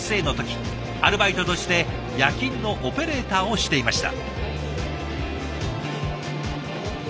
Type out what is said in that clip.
アルバイトとして夜勤のオペレーターをしていました。